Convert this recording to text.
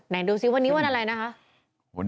ดูสิวันนี้วันอะไรนะคะ